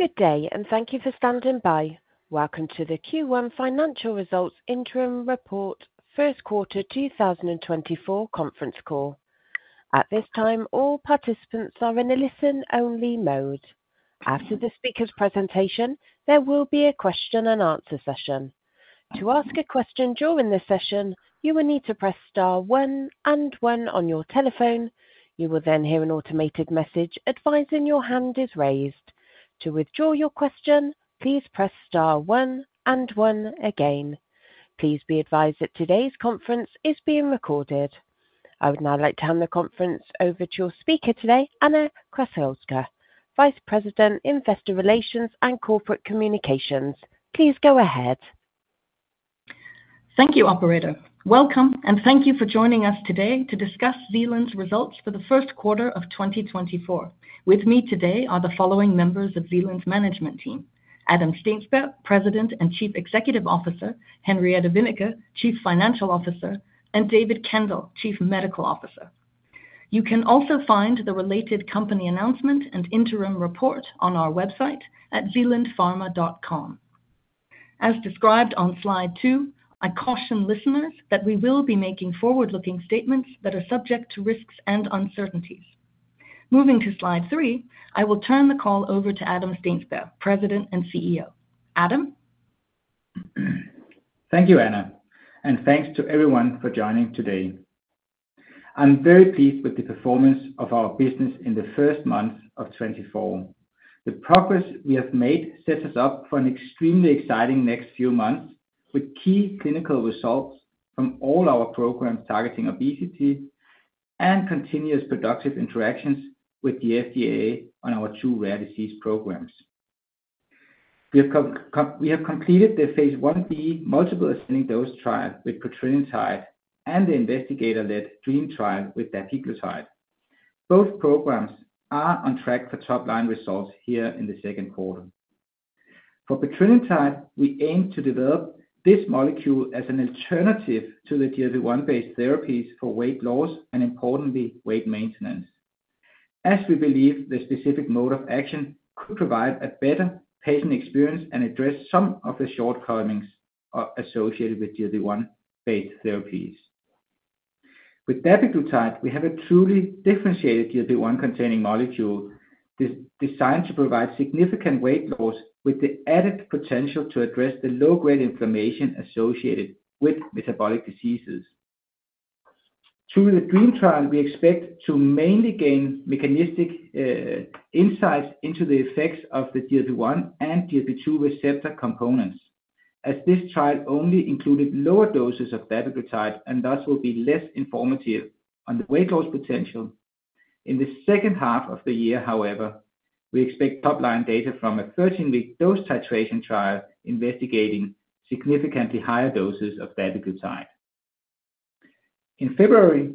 Good day, and thank you for standing by. Welcome to the Q1 Financial Results Interim Report, First Quarter 2024 Conference Call. At this time, all participants are in a listen-only mode. After the speaker's presentation, there will be a question and answer session. To ask a question during this session, you will need to press star one and one on your telephone. You will then hear an automated message advising your hand is raised. To withdraw your question, please press star one and one again. Please be advised that today's conference is being recorded. I would now like to hand the conference over to your speaker today, Anna Krassowska, Vice President, Investor Relations and Corporate Communications. Please go ahead. Thank you, operator. Welcome, and thank you for joining us today to discuss Zealand's results for the first quarter of 2024. With me today are the following members of Zealand's management team: Adam Steensberg, President and Chief Executive Officer, Henriette Wennicke, Chief Financial Officer, and David Kendall, Chief Medical Officer. You can also find the related company announcement and interim report on our website at zealandpharma.com. As described on slide 2, I caution listeners that we will be making forward-looking statements that are subject to risks and uncertainties. Moving to slide 3, I will turn the call over to Adam Steensberg, President and CEO. Adam? Thank you, Anna, and thanks to everyone for joining today. I'm very pleased with the performance of our business in the first month of 2024. The progress we have made sets us up for an extremely exciting next few months, with key clinical results from all our programs targeting obesity and continuous productive interactions with the FDA on our two rare disease programs. We have completed the phase 1b multiple ascending dose trial with petrelintide and the investigator-led DREAM trial with dapiglutide. Both programs are on track for top-line results here in the second quarter. For petrelintide, we aim to develop this molecule as an alternative to the GLP-1-based therapies for weight loss, and importantly, weight maintenance, as we believe the specific mode of action could provide a better patient experience and address some of the shortcomings associated with GLP-1-based therapies. With dapiglutide, we have a truly differentiated GLP-1 containing molecule designed to provide significant weight loss, with the added potential to address the low-grade inflammation associated with metabolic diseases. Through the DREAM trial, we expect to mainly gain mechanistic insights into the effects of the GLP-1 and GLP-2 receptor components, as this trial only included lower doses of dapiglutide and thus will be less informative on the weight loss potential. In the second half of the year, however, we expect top-line data from a 13-week dose titration trial investigating significantly higher doses of dapiglutide. In February,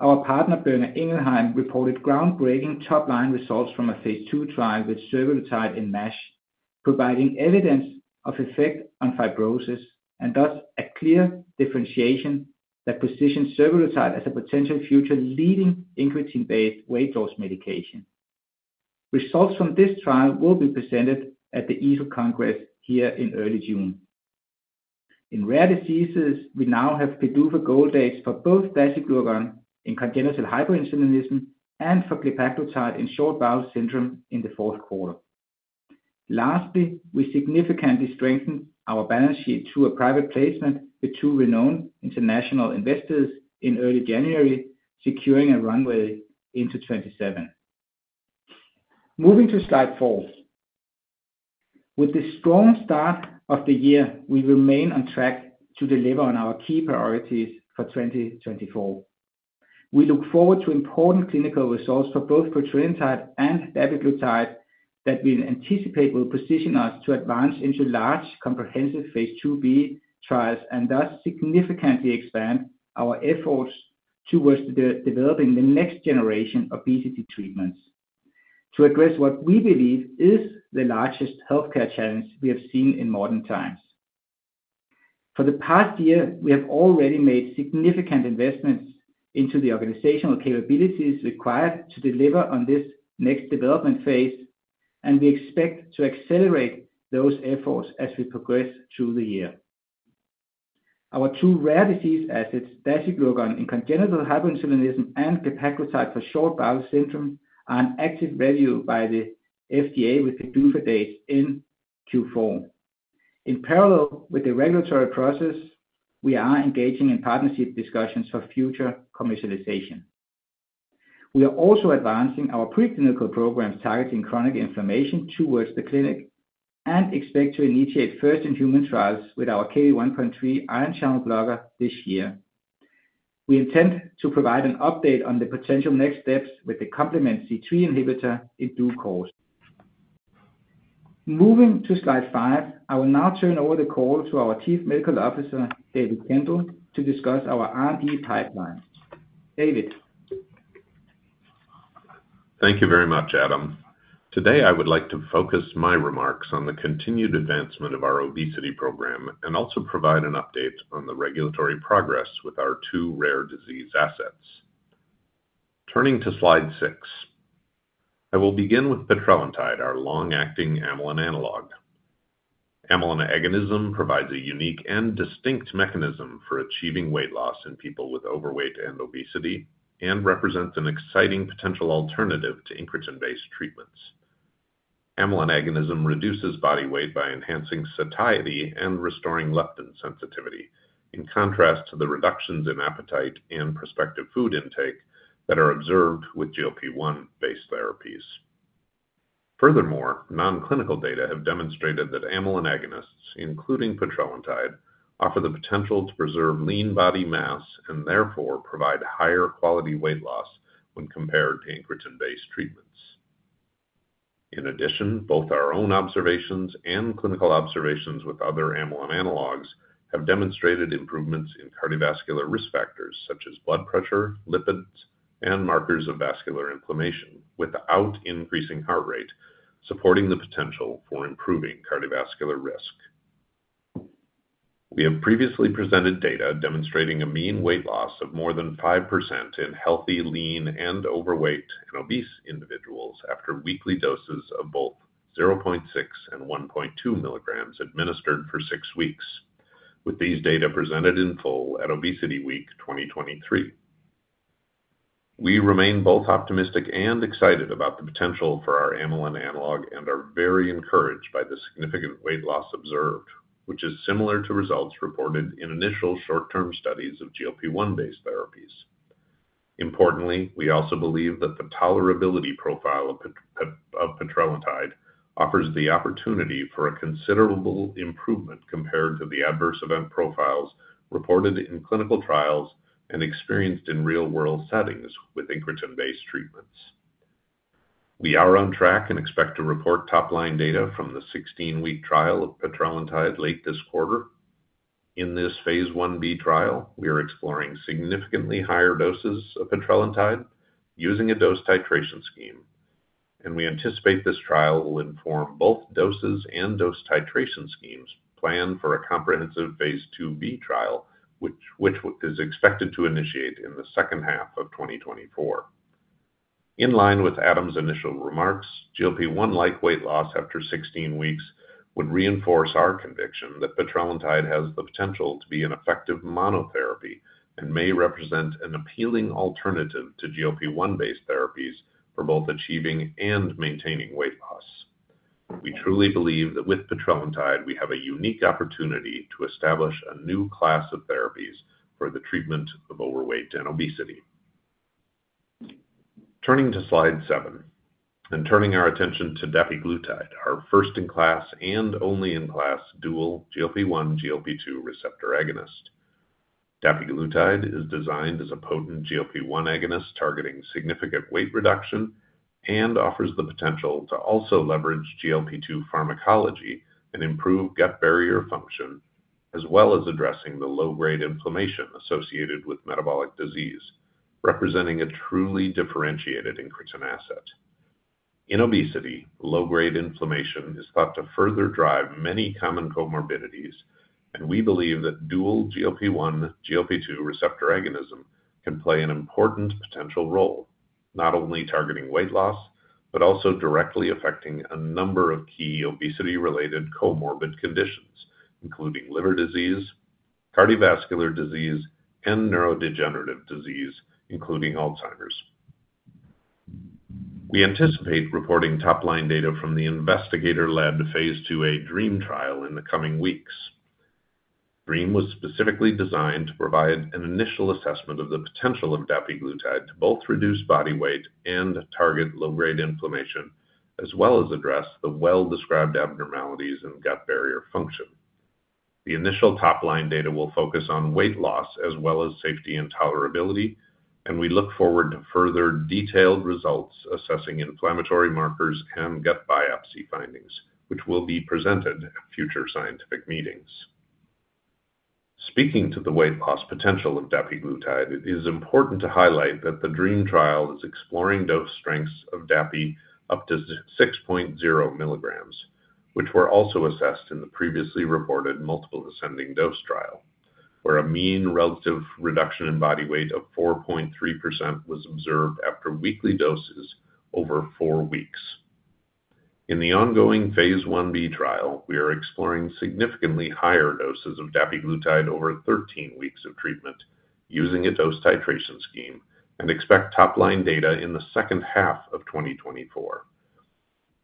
our partner, Boehringer Ingelheim, reported groundbreaking top-line results from a phase 2 trial with survodutide in MASH, providing evidence of effect on fibrosis, and thus a clear differentiation that positions survodutide as a potential future leading incretin-based weight loss medication. Results from this trial will be presented at the EASL Congress here in early June. In rare diseases, we now have PDUFA goal dates for both dasiglucagon in congenital hyperinsulinism and for glepaglutide in short bowel syndrome in the fourth quarter. Lastly, we significantly strengthened our balance sheet to a private placement with two renowned international investors in early January, securing a runway into 2027. Moving to slide 4. With the strong start of the year, we remain on track to deliver on our key priorities for 2024. We look forward to important clinical results for both petrelintide and dapiglutide that we anticipate will position us to advance into large, comprehensive phase 2b trials, and thus significantly expand our efforts towards developing the next generation obesity treatments to address what we believe is the largest healthcare challenge we have seen in modern times. For the past year, we have already made significant investments into the organizational capabilities required to deliver on this next development phase, and we expect to accelerate those efforts as we progress through the year. Our two rare disease assets, dasiglucagon in congenital hyperinsulinism and glepaglutide for short bowel syndrome, are under active review by the FDA, with the PDUFA dates in Q4. In parallel with the regulatory process, we are engaging in partnership discussions for future commercialization. We are also advancing our preclinical programs targeting chronic inflammation towards the clinic and expect to initiate first-in-human trials with our Kv1.3 ion channel blocker this year. We intend to provide an update on the potential next steps with the complement C3 inhibitor in due course. Moving to slide 5, I will now turn over the call to our Chief Medical Officer, David Kendall, to discuss our R&D pipeline. David? Thank you very much, Adam. Today, I would like to focus my remarks on the continued advancement of our obesity program, and also provide an update on the regulatory progress with our two rare disease assets.... Turning to slide six. I will begin with petrelintide, our long-acting amylin analog. Amylin agonism provides a unique and distinct mechanism for achieving weight loss in people with overweight and obesity, and represents an exciting potential alternative to incretin-based treatments. Amylin agonism reduces body weight by enhancing satiety and restoring leptin sensitivity, in contrast to the reductions in appetite and prospective food intake that are observed with GLP-1-based therapies. Furthermore, non-clinical data have demonstrated that amylin agonists, including petrelintide, offer the potential to preserve lean body mass and therefore provide higher quality weight loss when compared to incretin-based treatments. In addition, both our own observations and clinical observations with other amylin analogs have demonstrated improvements in cardiovascular risk factors such as blood pressure, lipids, and markers of vascular inflammation without increasing heart rate, supporting the potential for improving cardiovascular risk. We have previously presented data demonstrating a mean weight loss of more than 5% in healthy, lean, and overweight and obese individuals after weekly doses of both 0.6 and 1.2 milligrams administered for six weeks, with these data presented in full at ObesityWeek 2023. We remain both optimistic and excited about the potential for our amylin analog and are very encouraged by the significant weight loss observed, which is similar to results reported in initial short-term studies of GLP-1-based therapies. Importantly, we also believe that the tolerability profile of petrelintide offers the opportunity for a considerable improvement compared to the adverse event profiles reported in clinical trials and experienced in real-world settings with incretin-based treatments. We are on track and expect to report top-line data from the 16-week trial of petrelintide late this quarter. In this phase Ib trial, we are exploring significantly higher doses of petrelintide using a dose titration scheme, and we anticipate this trial will inform both doses and dose titration schemes planned for a comprehensive phase IIb trial, which is expected to initiate in the second half of 2024. In line with Adam's initial remarks, GLP-1-like weight loss after 16 weeks would reinforce our conviction that petrelintide has the potential to be an effective monotherapy and may represent an appealing alternative to GLP-1-based therapies for both achieving and maintaining weight loss. We truly believe that with petrelintide, we have a unique opportunity to establish a new class of therapies for the treatment of overweight and obesity. Turning to slide 7, and turning our attention to dapiglutide, our first-in-class and only-in-class dual GLP-1/GLP-2 receptor agonist. Dapiglutide is designed as a potent GLP-1 agonist, targeting significant weight reduction, and offers the potential to also leverage GLP-2 pharmacology and improve gut barrier function, as well as addressing the low-grade inflammation associated with metabolic disease, representing a truly differentiated incretin asset. In obesity, low-grade inflammation is thought to further drive many common comorbidities, and we believe that dual GLP-1/GLP-2 receptor agonism can play an important potential role, not only targeting weight loss, but also directly affecting a number of key obesity-related comorbid conditions, including liver disease, cardiovascular disease, and neurodegenerative disease, including Alzheimer's. We anticipate reporting top-line data from the investigator-led phase IIa DREAM trial in the coming weeks. DREAM was specifically designed to provide an initial assessment of the potential of dapiglutide to both reduce body weight and target low-grade inflammation, as well as address the well-described abnormalities in gut barrier function. The initial top-line data will focus on weight loss as well as safety and tolerability, and we look forward to further detailed results assessing inflammatory markers and gut biopsy findings, which will be presented at future scientific meetings. Speaking to the weight loss potential of dapiglutide, it is important to highlight that the DREAM trial is exploring dose strengths of dapi up to 2.6 milligrams, which were also assessed in the previously reported multiple ascending dose trial, where a mean relative reduction in body weight of 4.3% was observed after weekly doses over 4 weeks. In the ongoing phase Ib trial, we are exploring significantly higher doses of dapiglutide over 13 weeks of treatment using a dose titration scheme and expect top-line data in the second half of 2024.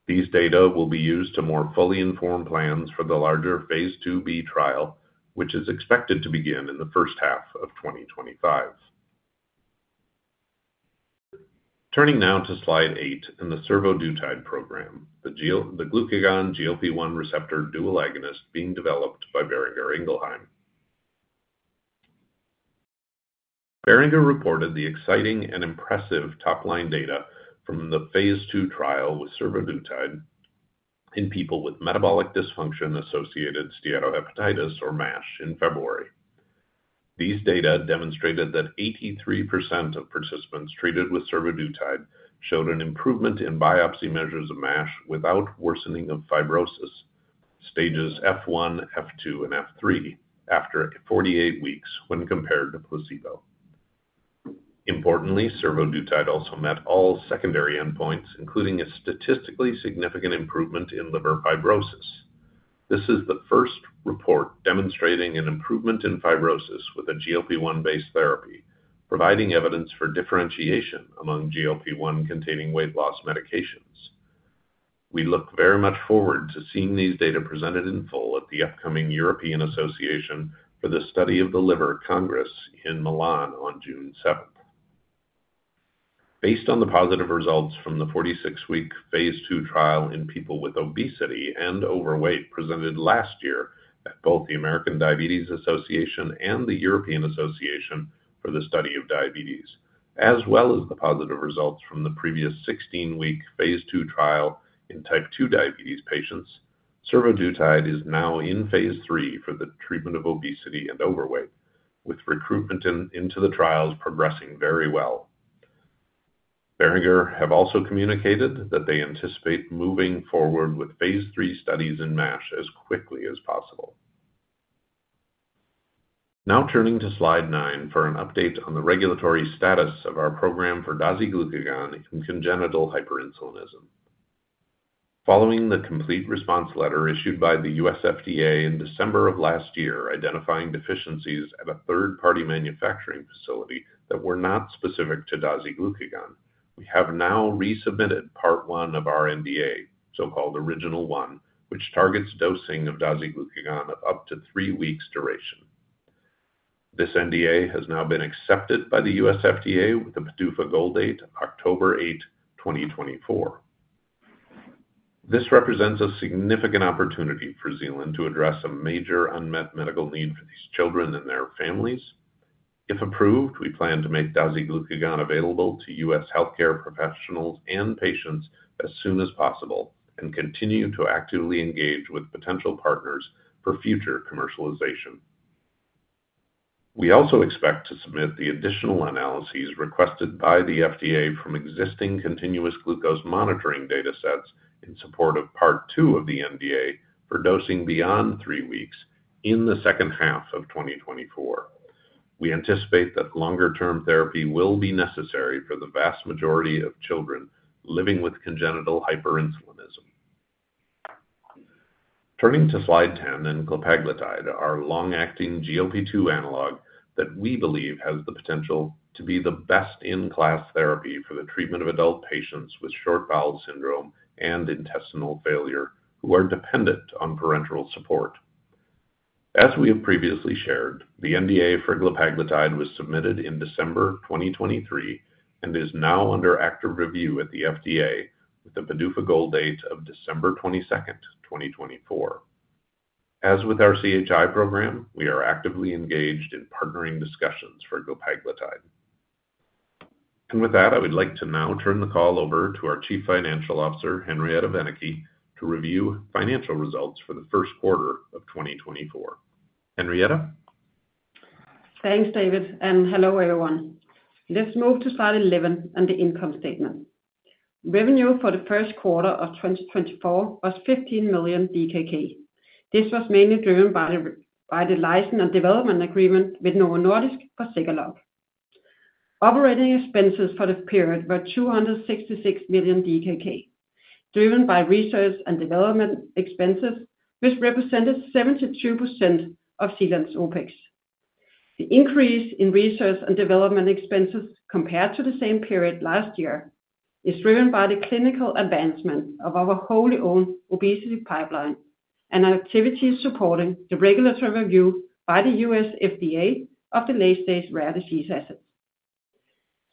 These data will be used to more fully inform plans for the larger phase IIb trial, which is expected to begin in the first half of 2025. Turning now to slide 8 and the survodutide program, the glucagon GLP-1 receptor dual agonist being developed by Boehringer Ingelheim. Boehringer reported the exciting and impressive top-line data from the phase II trial with survodutide in people with metabolic dysfunction-associated steatohepatitis or MASH in February. These data demonstrated that 83% of participants treated with survodutide showed an improvement in biopsy measures of MASH without worsening of fibrosis in stages F1, F2, and F3 after 48 weeks when compared to placebo. Importantly, survodutide also met all secondary endpoints, including a statistically significant improvement in liver fibrosis. This is the first report demonstrating an improvement in fibrosis with a GLP-1 based therapy, providing evidence for differentiation among GLP-1 containing weight loss medications. We look very much forward to seeing these data presented in full at the upcoming European Association for the Study of the Liver Congress in Milan on June seventh. Based on the positive results from the 46-week phase 2 trial in people with obesity and overweight, presented last year at both the American Diabetes Association and the European Association for the Study of Diabetes, as well as the positive results from the previous 16-week phase 2 trial in type 2 diabetes patients, survodutide is now in phase 3 for the treatment of obesity and overweight, with recruitment into the trials progressing very well. Boehringer have also communicated that they anticipate moving forward with phase 3 studies in MASH as quickly as possible. Now turning to slide 9 for an update on the regulatory status of our program for dasiglucagon in congenital hyperinsulinism. Following the complete response letter issued by the U.S. FDA in December of last year, identifying deficiencies at a third-party manufacturing facility that were not specific to dasiglucagon, we have now resubmitted Part 1 of our NDA, so-called Original 1, which targets dosing of dasiglucagon up to 3 weeks duration. This NDA has now been accepted by the U.S. FDA, with a PDUFA goal date October 8, 2024. This represents a significant opportunity for Zealand to address a major unmet medical need for these children and their families. If approved, we plan to make dasiglucagon available to U.S. healthcare professionals and patients as soon as possible and continue to actively engage with potential partners for future commercialization. We also expect to submit the additional analyses requested by the FDA from existing continuous glucose monitoring data sets in support of Part 2 of the NDA for dosing beyond three weeks in the second half of 2024. We anticipate that longer-term therapy will be necessary for the vast majority of children living with congenital hyperinsulinism. Turning to slide 10, glepaglutide, our long-acting GLP-2 analog that we believe has the potential to be the best-in-class therapy for the treatment of adult patients with short bowel syndrome and intestinal failure, who are dependent on parenteral support. As we have previously shared, the NDA for glepaglutide was submitted in December 2023 and is now under active review at the FDA, with the PDUFA goal date of December 22, 2024. As with our CHI program, we are actively engaged in partnering discussions for glepaglutide. With that, I would like to now turn the call over to our Chief Financial Officer, Henriette Wennicke, to review financial results for the first quarter of 2024. Henriette? Thanks, David, and hello, everyone. Let's move to slide 11 and the income statement. Revenue for the first quarter of 2024 was 15 million. This was mainly driven by the license and development agreement with Novo Nordisk for Zegalogue. Operating expenses for the period were 266 million DKK, driven by research and development expenses, which represented 72% of Zealand's OpEx. The increase in research and development expenses compared to the same period last year, is driven by the clinical advancement of our wholly owned obesity pipeline and activities supporting the regulatory review by the U.S. FDA of the late-stage rare disease assets.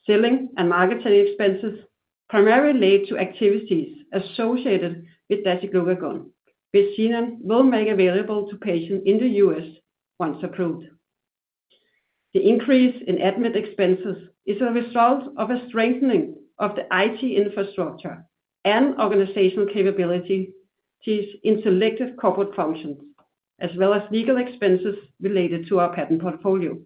Selling and marketing expenses primarily relate to activities associated with dasiglucagon, which Zealand will make available to patients in the U.S. once approved. The increase in admin expenses is a result of a strengthening of the IT infrastructure and organizational capability in selective corporate functions, as well as legal expenses related to our patent portfolio.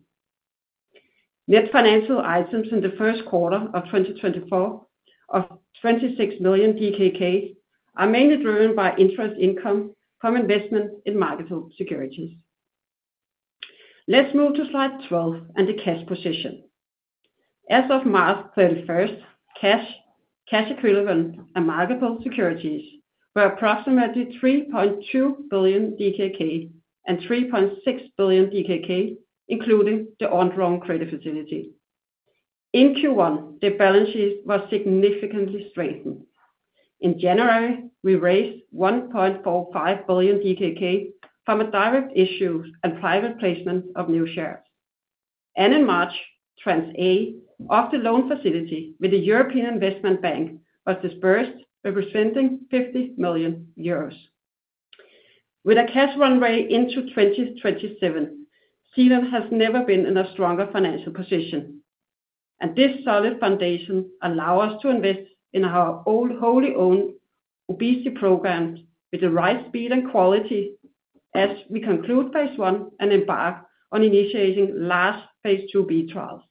Net financial items in the first quarter of 2024 are 26 million DKK, are mainly driven by interest income from investment in marketable securities. Let's move to slide 12 and the cash position. As of March 31, cash, cash equivalents, and marketable securities were approximately 3.2 billion DKK, and 3.6 billion DKK, including the undrawn credit facility. In Q1, the balance sheet was significantly strengthened. In January, we raised 1.45 billion DKK from a direct issue and private placement of new shares. In March, Tranche A of the loan facility with the European Investment Bank was disbursed, representing 50 million euros. With a cash runway into 2027, Zealand has never been in a stronger financial position, and this solid foundation allow us to invest in our own wholly owned obesity programs with the right speed and quality as we conclude phase 1 and embark on initiating last phase 2b trials.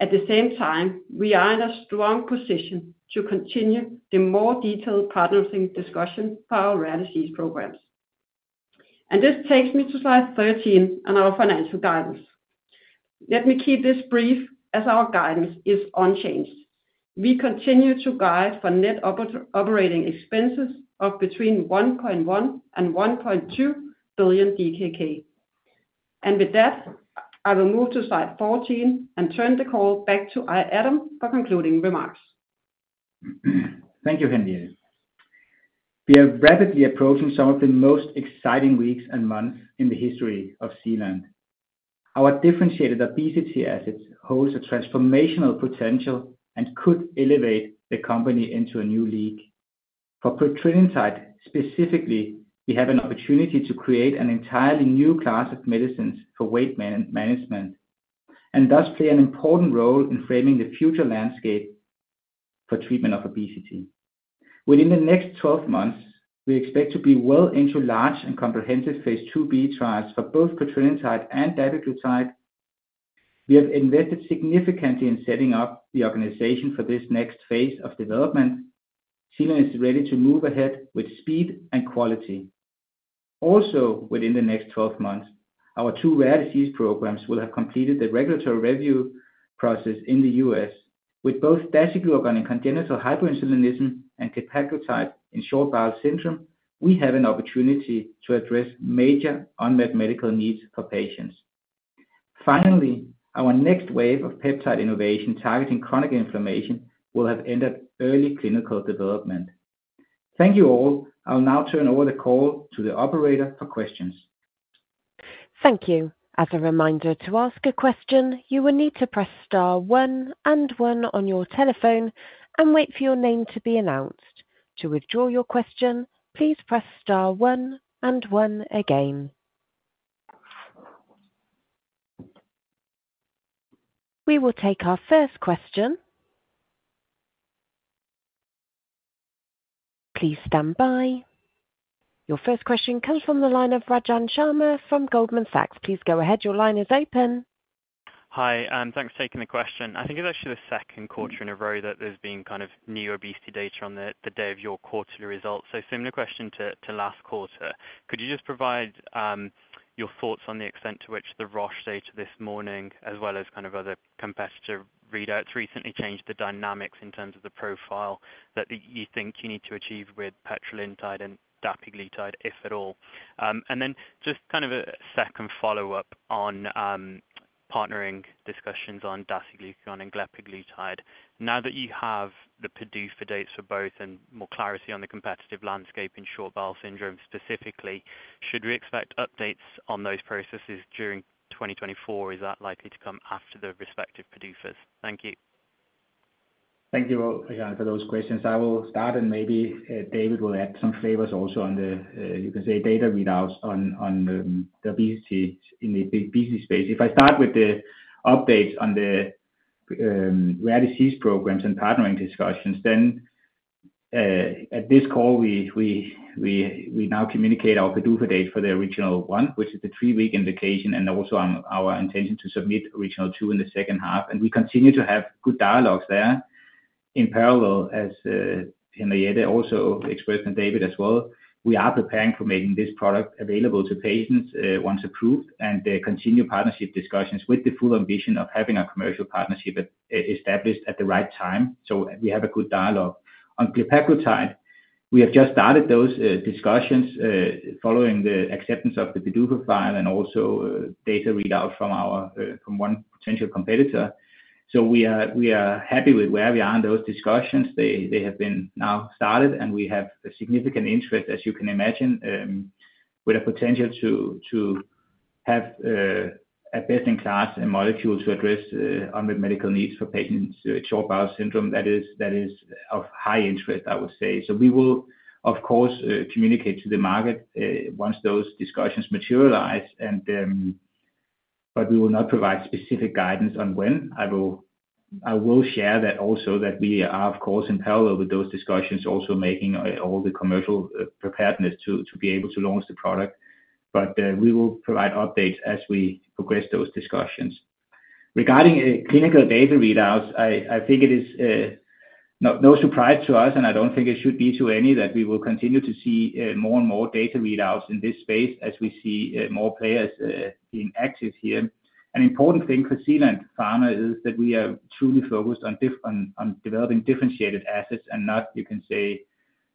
At the same time, we are in a strong position to continue the more detailed partnering discussion for our rare disease programs. And this takes me to slide 13 on our financial guidance. Let me keep this brief, as our guidance is unchanged. We continue to guide for net operating expenses of between 1.1 billion and 1.2 billion DKK. And with that, I will move to slide 14 and turn the call back to Adam for concluding remarks. Thank you, Henriette. We are rapidly approaching some of the most exciting weeks and months in the history of Zealand. Our differentiated obesity assets holds a transformational potential and could elevate the company into a new league. For petrelintide, specifically, we have an opportunity to create an entirely new class of medicines for weight management, and thus play an important role in framing the future landscape for treatment of obesity. Within the next 12 months, we expect to be well into large and comprehensive phase 2b trials for both petrelintide and dapiglutide. We have invested significantly in setting up the organization for this next phase of development. Zealand is ready to move ahead with speed and quality. Also, within the next 12 months, our 2 rare disease programs will have completed the regulatory review process in the U.S., with both dasiglucagon and congenital hyperinsulinism and glepaglutide in short bowel syndrome. We have an opportunity to address major unmet medical needs for patients. Finally, our next wave of peptide innovation, targeting chronic inflammation, will have ended early clinical development. Thank you, all. I'll now turn over the call to the operator for questions. Thank you. As a reminder, to ask a question, you will need to press star one and one on your telephone and wait for your name to be announced. To withdraw your question, please press star one and one again. We will take our first question. Please stand by. Your first question comes from the line of Rajan Sharma from Goldman Sachs. Please go ahead. Your line is open. Hi, thanks for taking the question. I think it's actually the second quarter in a row that there's been kind of new obesity data on the day of your quarterly results. So similar question to last quarter: Could you just provide your thoughts on the extent to which the Roche data this morning, as well as kind of other competitor readouts recently changed the dynamics in terms of the profile that you think you need to achieve with petrelintide and dapiglutide, if at all? And then just kind of a second follow-up on partnering discussions on dasiglucagon and glepaglutide. Now that you have the PDUFA dates for both and more clarity on the competitive landscape in short bowel syndrome, specifically, should we expect updates on those processes during 2024? Is that likely to come after the respective PDUFAs? Thank you. Thank you, Rajan, for those questions. I will start, and maybe, David will add some flavors also on the, you can say, data readouts on the obesity in the obesity space. If I start with the updates on the rare disease programs and partnering discussions, then, at this call, we now communicate our PDUFA date for the original one, which is the three-week indication, and also on our intention to submit Original 2 in the second half, and we continue to have good dialogues there. In parallel, as Henriette also expressed, and David as well, we are preparing for making this product available to patients, once approved, and continue partnership discussions with the full ambition of having a commercial partnership established at the right time, so we have a good dialogue. On glepaglutide, we have just started those discussions following the acceptance of the PDUFA file and also data readout from one potential competitor. So we are happy with where we are in those discussions. They have been now started, and we have a significant interest, as you can imagine, with a potential to have a best-in-class and molecules to address unmet medical needs for patients with short bowel syndrome. That is of high interest, I would say. So we will, of course, communicate to the market once those discussions materialize, and but we will not provide specific guidance on when. I will share that also, that we are, of course, in parallel with those discussions, also making all the commercial preparedness to be able to launch the product, but we will provide updates as we progress those discussions. Regarding clinical data readouts, I think it is no surprise to us, and I don't think it should be to any, that we will continue to see more and more data readouts in this space as we see more players being active here. An important thing for Zealand Pharma is that we are truly focused on developing differentiated assets and not, you can say,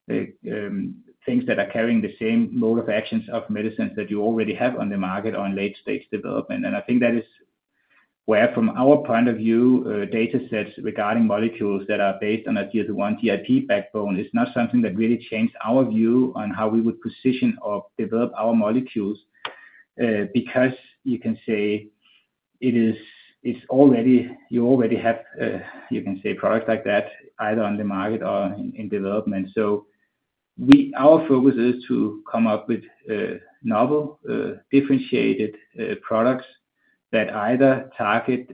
things that are carrying the same mode of actions of medicines that you already have on the market or in late-stage development. I think that is where, from our point of view, data sets regarding molecules that are based on a GLP-1/GIP backbone is not something that really changed our view on how we would position or develop our molecules, because you can say it is, it's already, you already have, you can say products like that, either on the market or in development. So our focus is to come up with novel, differentiated products that either target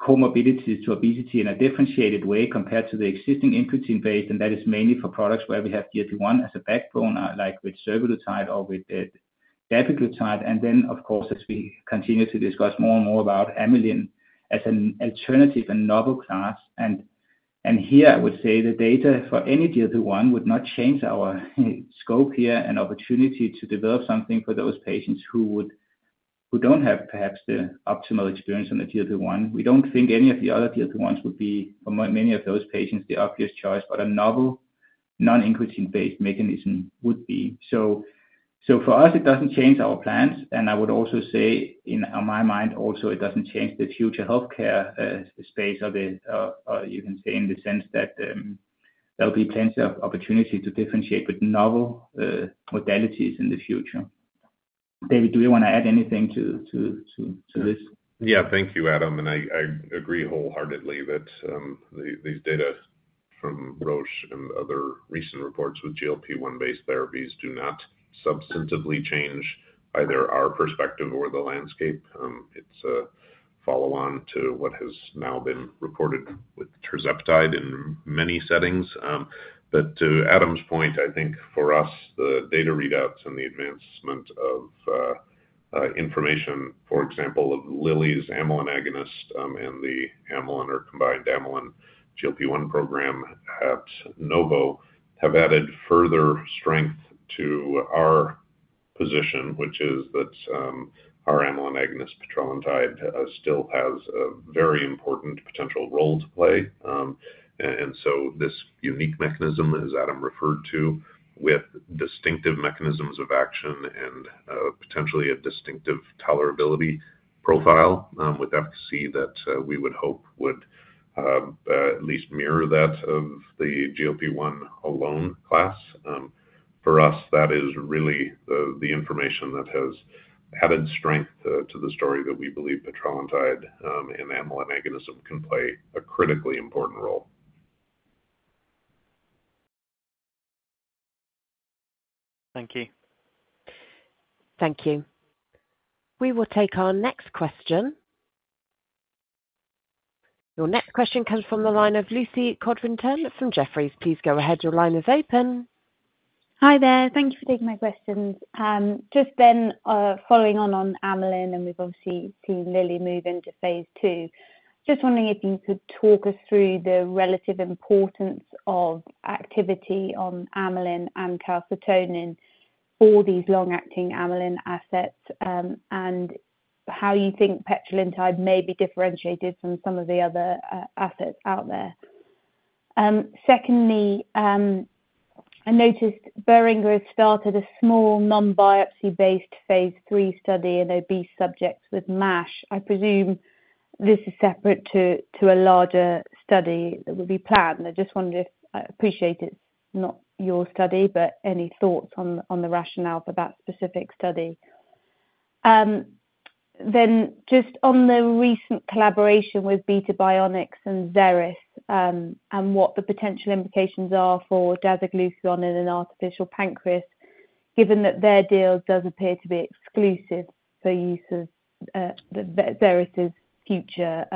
comorbidities to obesity in a differentiated way compared to the existing incretin-based, and that is mainly for products where we have GLP-1 as a backbone, like with survodutide or with dapiglutide, and then, of course, as we continue to discuss more and more about amylin as an alternative and novel class. And here I would say the data for any GLP-1 would not change our scope here and opportunity to develop something for those patients who don't have perhaps the optimal experience on the GLP-1. We don't think any of the other GLP-1s would be, for many of those patients, the obvious choice, but a novel, non-incretin-based mechanism would be. So for us, it doesn't change our plans. And I would also say, on my mind also, it doesn't change the future healthcare space of it, you can say, in the sense that, there'll be plenty of opportunity to differentiate with novel modalities in the future. David, do you want to add anything to this? Yeah. Thank you, Adam, and I agree wholeheartedly that these data from Roche and other recent reports with GLP-1-based therapies do not substantively change either our perspective or the landscape. It's a follow-on to what has now been reported with tirzepatide in many settings. But to Adam's point, I think for us, the data readouts and the advancement of information, for example, of Lilly's amylin agonist, and the amylin or combined amylin GLP-1 program at Novo, have added further strength to our position, which is that our amylin agonist, petrelintide, still has a very important potential role to play. And so this unique mechanism, as Adam referred to, with distinctive mechanisms of action and potentially a distinctive tolerability profile, with efficacy that we would hope would at least mirror that of the GLP-1 alone class. For us, that is really the information that has added strength to the story that we believe petrelintide and amylin agonism can play a critically important role. Thank you. Thank you. We will take our next question. Your next question comes from the line of Lucy Codrington from Jefferies. Please go ahead. Your line is open. Hi there. Thank you for taking my questions. Just then, following on amylin, and we've obviously seen Lilly move into phase two. Just wondering if you could talk us through the relative importance of activity on amylin and calcitonin for these long-acting amylin assets, and how you think petrelintide may be differentiated from some of the other assets out there. Secondly, I noticed Boehringer has started a small, non-biopsy-based phase three study in obese subjects with MASH. I presume this is separate to a larger study that will be planned. I just wondered if... I appreciate it's not your study, but any thoughts on the rationale for that specific study? Then just on the recent collaboration with Beta Bionics and Xeris, and what the potential implications are for dasiglucagon in an artificial pancreas, given that their deal does appear to be exclusive for use of Xeris' future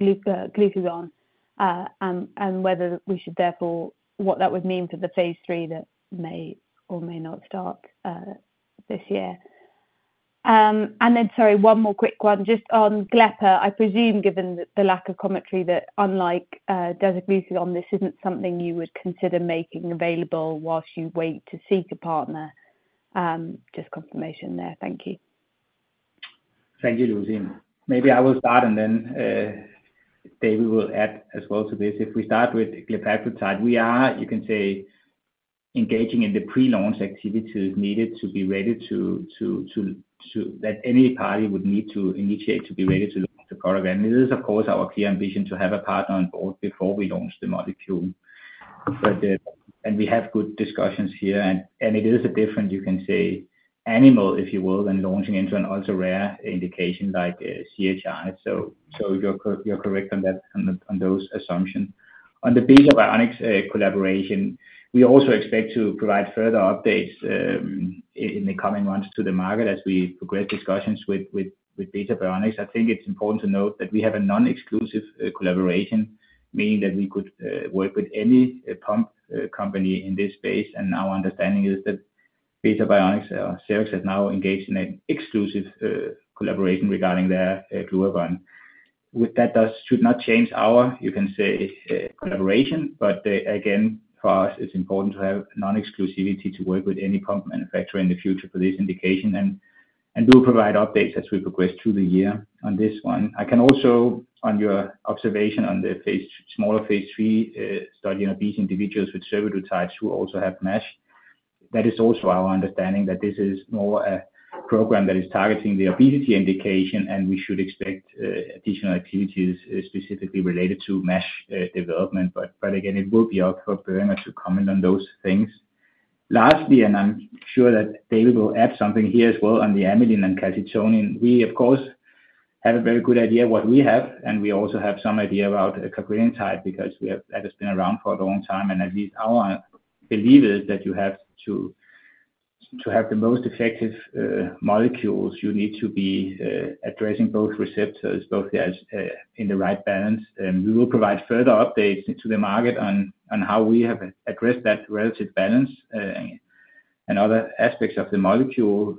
glucagon. And whether we should therefore—what that would mean for the phase 3 that may or may not start this year. And then, sorry, one more quick one. Just on glepaglutide, I presume, given the lack of commentary, that unlike dasiglucagon, this isn't something you would consider making available whilst you wait to seek a partner. Just confirmation there. Thank you. Thank you, Lucy. Maybe I will start, and then, David will add as well to this. If we start with glepaglutide, we are, you can say, engaging in the pre-launch activities needed to be ready to that any party would need to initiate to be ready to launch the program. It is, of course, our clear ambition to have a partner on board before we launch the molecule. But, and we have good discussions here, and, and it is a different, you can say, animal, if you will, than launching into an ultra-rare indication like, CHI. So, you're correct on that, on those assumptions. On the Beta Bionics, collaboration, we also expect to provide further updates, in the coming months to the market as we progress discussions with, with, Beta Bionics. I think it's important to note that we have a non-exclusive, collaboration, meaning that we could, work with any, pump, company in this space, and our understanding is that Beta Bionics or Xeris, has now engaged in an exclusive, collaboration regarding their, glucagon. With that, thus should not change our, you can say, collaboration, but, again, for us, it's important to have non-exclusivity to work with any pump manufacturer in the future for this indication, and, and we'll provide updates as we progress through the year on this one. I can also, on your observation on the smaller phase 3, study in obese individuals with cirrhosis who also have MASH, that is also our understanding, that this is more a program that is targeting the obesity indication, and we should expect additional activities, specifically related to MASH development. But again, it will be up for Boehringer to comment on those things. Lastly, and I'm sure that David will add something here as well on the amylin and calcitonin, we of course have a very good idea what we have, and we also have some idea about calcitonin type, because we have- that has been around for a long time. And at least our belief is that you have to have the most effective molecules, you need to be addressing both receptors, both as in the right balance. We will provide further updates to the market on how we have addressed that relative balance, and other aspects of the molecule.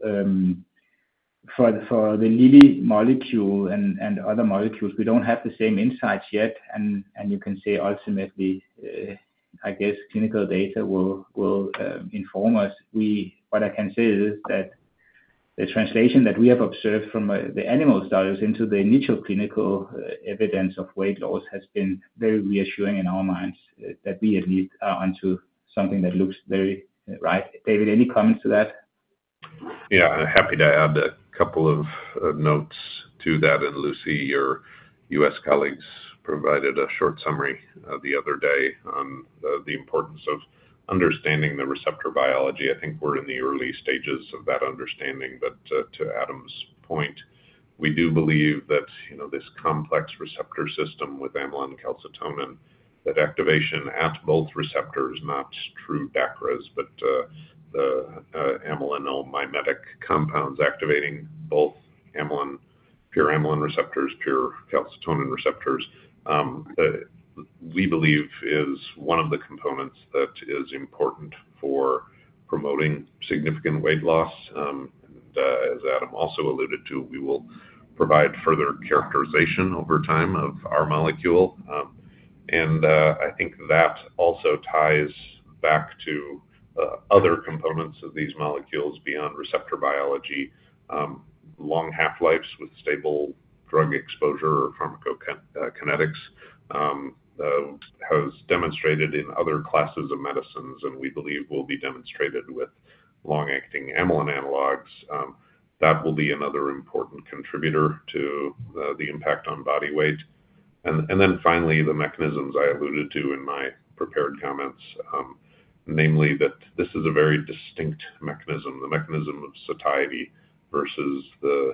For the Lilly molecule and other molecules, we don't have the same insights yet, and you can say ultimately, I guess clinical data will inform us. What I can say is that the translation that we have observed from the animal studies into the initial clinical evidence of weight loss has been very reassuring in our minds, that we at least are onto something that looks very right. David, any comments to that? Yeah, happy to add a couple of notes to that. And Lucy, your U.S. colleagues provided a short summary the other day on the importance of understanding the receptor biology. I think we're in the early stages of that understanding, but to Adam's point, we do believe that, you know, this complex receptor system with amylin calcitonin, that activation at both receptors, not true DACRAs, but the amylin mimetic compounds activating both amylin, pure amylin receptors, pure calcitonin receptors, we believe is one of the components that is important for promoting significant weight loss. And as Adam also alluded to, we will provide further characterization over time of our molecule. And I think that also ties back to other components of these molecules beyond receptor biology. Long half-lives with stable drug exposure or pharmacokinetics has demonstrated in other classes of medicines, and we believe will be demonstrated with long-acting amylin analogs. That will be another important contributor to the impact on body weight. Then finally, the mechanisms I alluded to in my prepared comments, namely that this is a very distinct mechanism, the mechanism of satiety versus the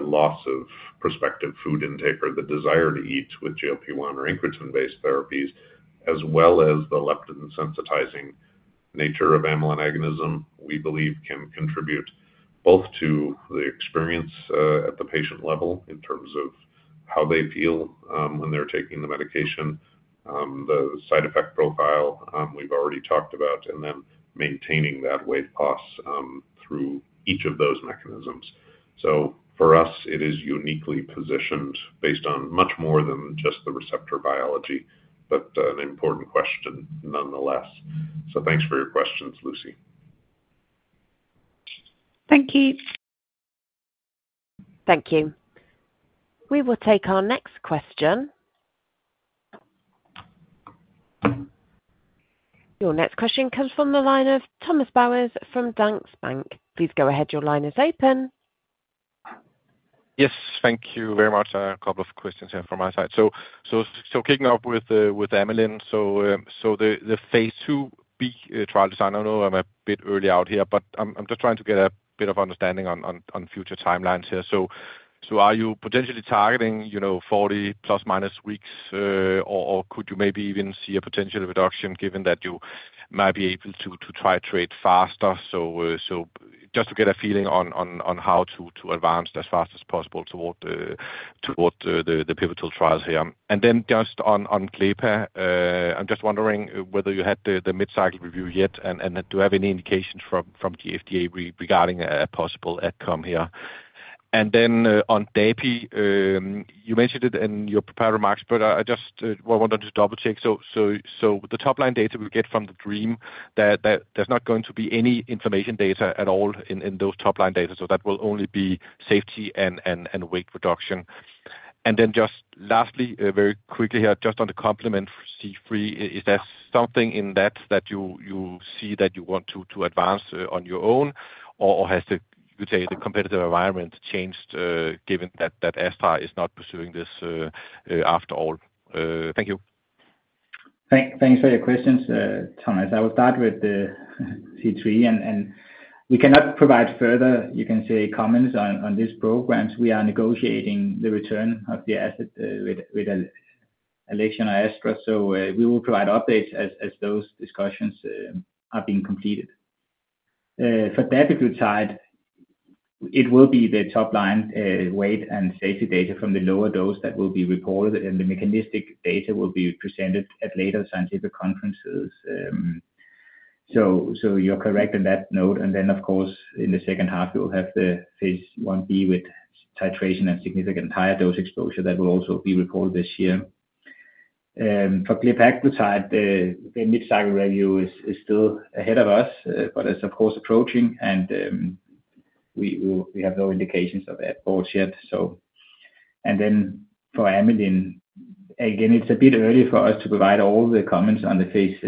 loss of prospective food intake or the desire to eat with GLP-1 or incretin-based therapies, as well as the leptin sensitizing nature of amylin agonism, we believe can contribute both to the experience at the patient level in terms of how they feel when they're taking the medication, the side effect profile we've already talked about, and then maintaining that weight loss through each of those mechanisms. So for us, it is uniquely positioned based on much more than just the receptor biology, but an important question nonetheless. So thanks for your questions, Lucy. Thank you. Thank you. We will take our next question. Your next question comes from the line of Thomas Bowers from Danske Bank. Please go ahead. Your line is open. Yes, thank you very much. A couple of questions here from my side. So, kicking off with the amylin. So, the phase 2B trial design, I know I'm a bit early out here, but I'm just trying to get a bit of understanding on future timelines here. So, are you potentially targeting, you know, 40 plus, minus weeks, or could you maybe even see a potential reduction given that you might be able to try to trade faster? So, just to get a feeling on how to advance as fast as possible toward the pivotal trials here. Then just on glepa, I'm just wondering whether you had the mid-cycle review yet, and do you have any indications from the FDA regarding a possible outcome here? Then on dapiglutide, you mentioned it in your prepared remarks, but I just wanted to double check. So the top line data we get from the DREAM, that there's not going to be any information data at all in those top line data, so that will only be safety and weight reduction. Then just lastly, very quickly here, just on the complement C3, is there something in that that you see that you want to advance on your own? Or has the, you say, the competitive environment changed, given that Astra is not pursuing this, after all? Thank you. Thanks for your questions, Thomas. I will start with the C3, and we cannot provide further, you can say, comments on these programs. We are negotiating the return of the asset with Alexion AstraZeneca, so we will provide updates as those discussions are being completed. For that side, it will be the top line weight and safety data from the lower dose that will be reported, and the mechanistic data will be presented at later scientific conferences. So you're correct on that note. And then, of course, in the second half, you'll have the phase 1b with titration and significant higher dose exposure that will also be reported this year. For glepaglutide, the mid-cycle review is still ahead of us, but it's of course approaching, and we have no indications of that yet, so. And then for amylin, again, it's a bit early for us to provide all the comments on the phase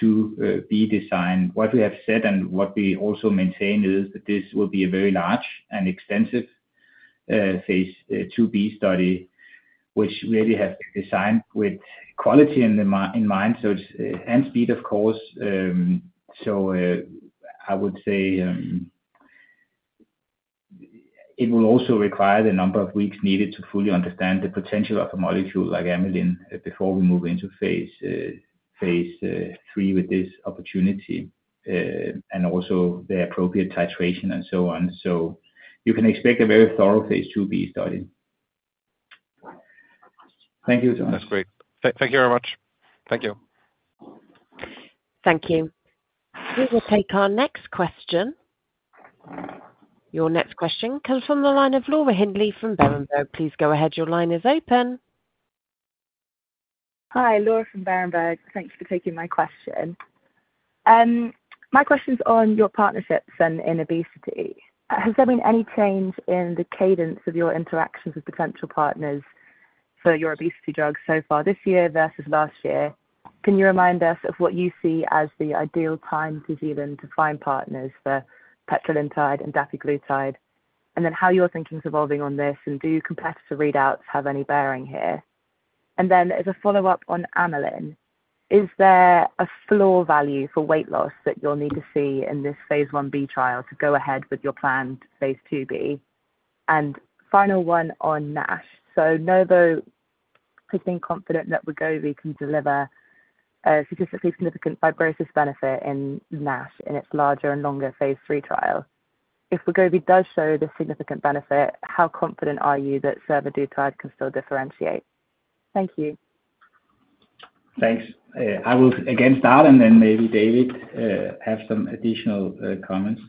2b design. What we have said, and what we also maintain, is that this will be a very large and extensive phase 2b study, which really has been designed with quality in mind, so it's... And speed, of course. I would say, it will also require the number of weeks needed to fully understand the potential of a molecule like amylin before we move into phase 3 with this opportunity, and also the appropriate titration and so on. So you can expect a very thorough phase 2b study. Thank you, John. That's great. Thank you very much. Thank you. Thank you. We will take our next question. Your next question comes from the line of Laura Hindley from Berenberg. Please go ahead. Your line is open. Hi, Laura from Berenberg, thanks for taking my question. My question is on your partnerships and in obesity. Has there been any change in the cadence of your interactions with potential partners for your obesity drugs so far this year versus last year? Can you remind us of what you see as the ideal time to deal and to find partners for petrelintide and dapiglutide? And then how your thinking is evolving on this, and do competitor readouts have any bearing here? And then as a follow-up on amylin, is there a floor value for weight loss that you'll need to see in this phase 1b trial to go ahead with your planned phase 2b? And final one on NASH. So Novo could feel confident that Wegovy can deliver a statistically significant fibrosis benefit in NASH in its larger and longer phase 3 trial. If Wegovy does show this significant benefit, how confident are you that survodutide can still differentiate? Thank you. Thanks. I will again start, and then maybe David have some additional comments.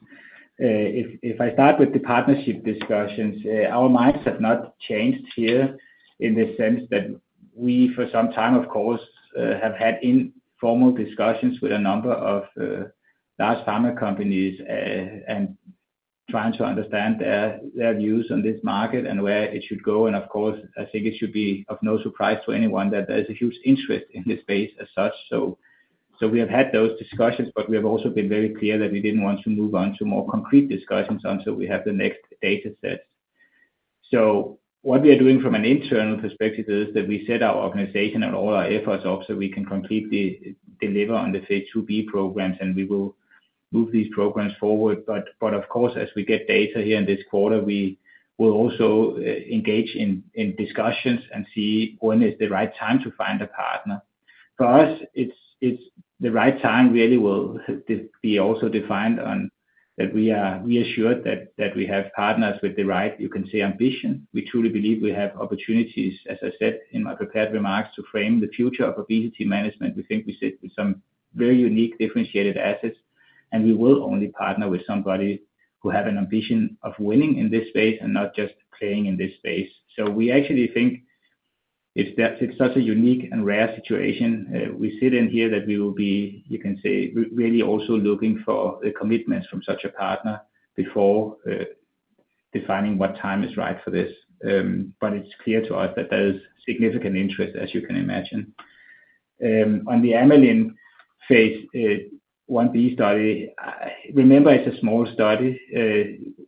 If I start with the partnership discussions, our minds have not changed here in the sense that we, for some time, of course, have had informal discussions with a number of large pharma companies, and trying to understand their views on this market and where it should go. Of course, I think it should be of no surprise to anyone that there is a huge interest in this space as such. So we have had those discussions, but we have also been very clear that we didn't want to move on to more concrete discussions until we have the next data set. So what we are doing from an internal perspective is that we set our organization and all our efforts up, so we can completely deliver on the phase 2b programs, and we will move these programs forward. But of course, as we get data here in this quarter, we will also engage in discussions and see when is the right time to find a partner. For us, it's the right time, really will be also defined on that we are reassured that we have partners with the right, you can say, ambition. We truly believe we have opportunities, as I said in my prepared remarks, to frame the future of obesity management. We think we sit with some very unique differentiated assets, and we will only partner with somebody who have an ambition of winning in this space and not just playing in this space. So we actually think it's such a unique and rare situation. We sit here that we will be, you can say, really also looking for a commitment from such a partner before defining what time is right for this. But it's clear to us that there is significant interest, as you can imagine. On the amylin phase 1b study, remember, it's a small study.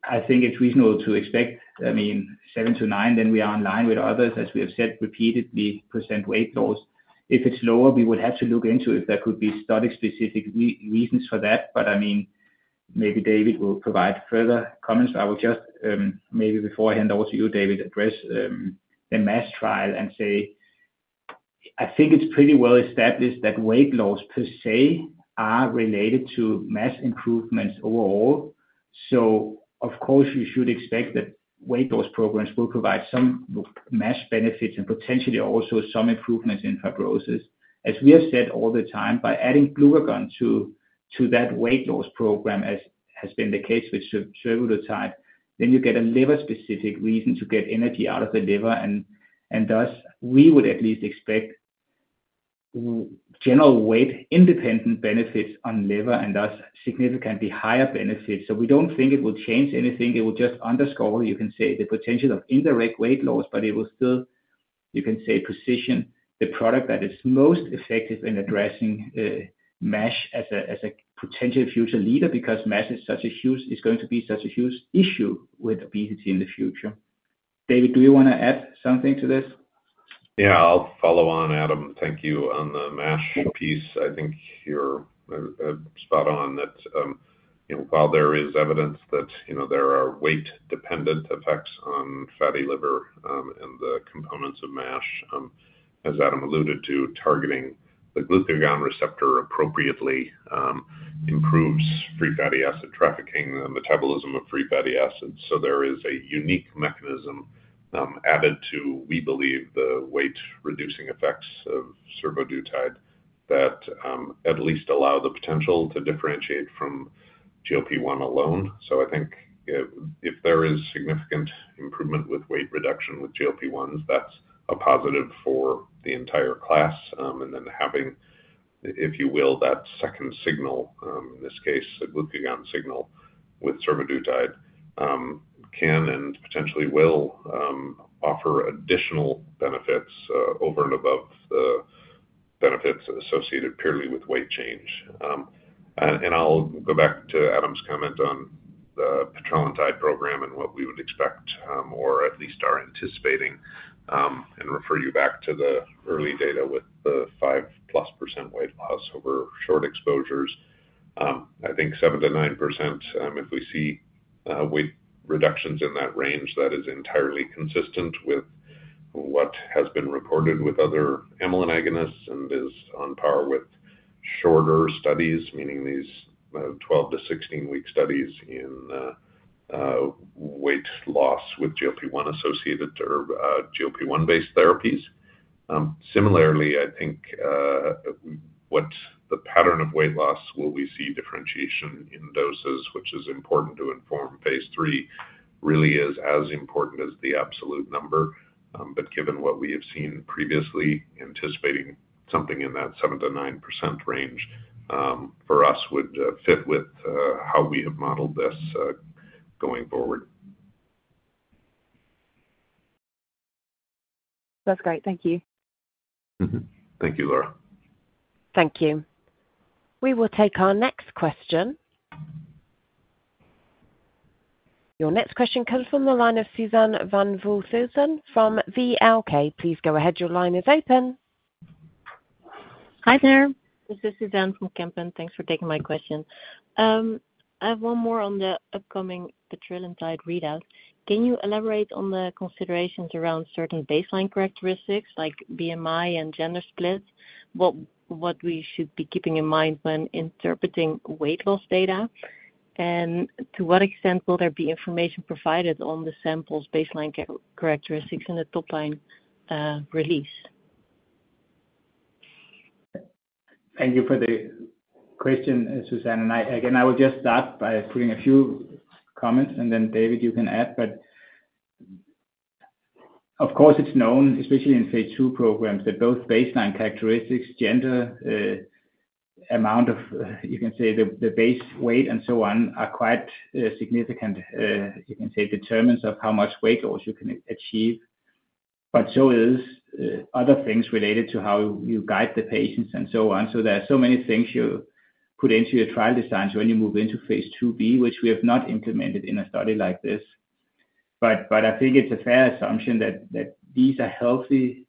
I think it's reasonable to expect, I mean, 7%-9%, then we are in line with others, as we have said repeatedly, weight loss. If it's lower, we would have to look into if there could be study specific reasons for that. But, I mean, maybe David will provide further comments. I will just, maybe before I hand over to you, David, address the MASH trial and say, I think it's pretty well established that weight loss per se, are related to MASH improvements overall. So of course, you should expect that weight loss programs will provide some MASH benefits and potentially also some improvements in fibrosis. As we have said all the time, by adding glucagon to that weight loss program, as has been the case with survodutide, then you get a liver specific reason to get energy out of the liver, and thus, we would at least expect general weight independent benefits on liver and thus significantly higher benefits. So we don't think it will change anything. It will just underscore, you can say, the potential of indirect weight loss, but it will still, you can say, position the product that is most effective in addressing MASH as a potential future leader, because MASH is such a huge, is going to be such a huge issue with obesity in the future. David, do you want to add something to this? Yeah, I'll follow on, Adam, thank you on the MASH piece. I think you're spot on that, you know, while there is evidence that, you know, there are weight dependent effects on fatty liver, and the components of MASH, as Adam alluded to, targeting the glucagon receptor appropriately, improves free fatty acid trafficking and the metabolism of free fatty acids. So there is a unique mechanism, added to, we believe, the weight reducing effects of survodutide that, at least allow the potential to differentiate from GLP-1 alone. So I think, if there is significant improvement with weight reduction with GLP-1, that's a positive for the entire class. And then having, if you will, that second signal, in this case, a glucagon signal with survodutide, can and potentially will offer additional benefits over and above the benefits associated purely with weight change. And I'll go back to Adam's comment on the petrelintide program and what we would expect, or at least are anticipating, and refer you back to the early data with the 5%+ weight loss over short exposures. I think 7%-9%, if we see weight reductions in that range, that is entirely consistent with what has been reported with other amylin agonists and is on par with shorter studies, meaning these 12-16-week studies in weight loss with GLP-1-associated or GLP-1-based therapies. Similarly, I think, what the pattern of weight loss will we see differentiation in doses, which is important to inform Phase 3, really is as important as the absolute number. But given what we have seen previously, anticipating something in that 7%-9% range, for us, would fit with, how we have modeled this, going forward. That's great. Thank you. Thank you, Laura. Thank you. We will take our next question. Your next question comes from the line of Suzanne van Voorthuizen from Kempen. Please go ahead. Your line is open. Hi, there. This is Suzanne from Kempen. Thanks for taking my question. I have one more on the upcoming, the trial inside readout. Can you elaborate on the considerations around certain baseline characteristics like BMI and gender splits? What we should be keeping in mind when interpreting weight loss data, and to what extent will there be information provided on the samples baseline characteristics in the top line release? Thank you for the question, Suzanne. I, again, will just start by putting a few comments, and then, David, you can add. Of course, it's known, especially in phase two programs, that those baseline characteristics, gender, amount of, you can say, the base weight and so on, are quite significant, you can say, determinants of how much weight loss you can achieve, but so is other things related to how you guide the patients and so on. There are so many things you put into your trial designs when you move into phase two B, which we have not implemented in a study like this. I think it's a fair assumption that these are healthy,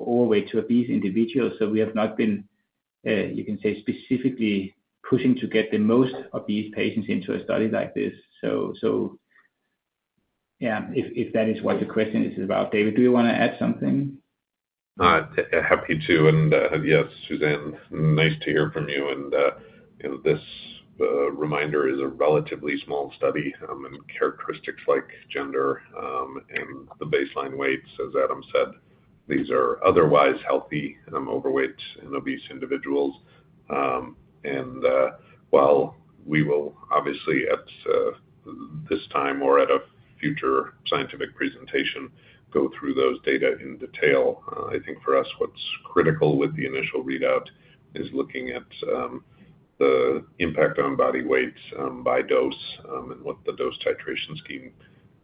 overweight to obese individuals. So we have not been, you can say, specifically pushing to get the most obese patients into a study like this. So, yeah, if that is what your question is about. David, do you wanna add something? Happy to, and yes, Suzanne, nice to hear from you. And you know, this reminder is a relatively small study, and characteristics like gender, and the baseline weights, as Adam said, these are otherwise healthy, overweight and obese individuals. And while we will obviously at this time or at a future scientific presentation, go through those data in detail, I think for us, what's critical with the initial readout is looking at the impact on body weight by dose, and what the dose titration scheme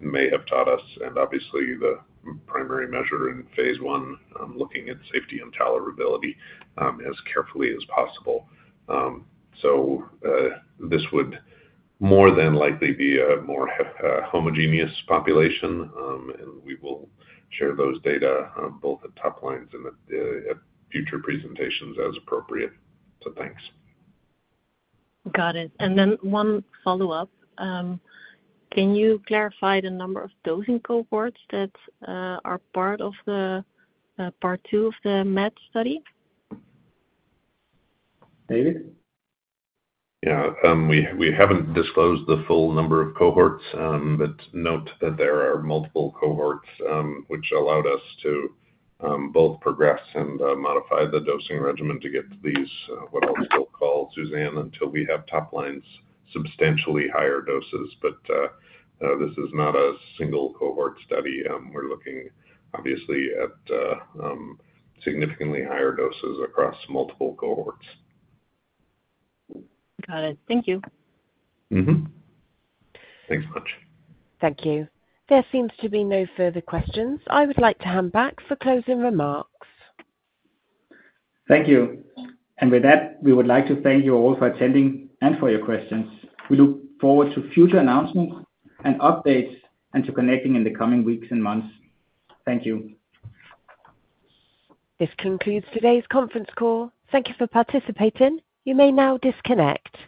may have taught us. And obviously, the primary measure in phase one looking at safety and tolerability as carefully as possible. This would more than likely be a more homogeneous population. We will share those data, both the top lines and the future presentations as appropriate. Thanks. Got it. And then one follow-up. Can you clarify the number of dosing cohorts that are part of the Part 2 of the MAD study? David? Yeah. We haven't disclosed the full number of cohorts, but note that there are multiple cohorts, which allowed us to both progress and modify the dosing regimen to get to these what I'll still call Suzanne, until we have top lines, substantially higher doses. But this is not a single cohort study. We're looking obviously at significantly higher doses across multiple cohorts. Got it. Thank you. Thanks much. Thank you. There seems to be no further questions. I would like to hand back for closing remarks. Thank you. And with that, we would like to thank you all for attending and for your questions. We look forward to future announcements and updates, and to connecting in the coming weeks and months. Thank you. This concludes today's conference call. Thank you for participating. You may now disconnect.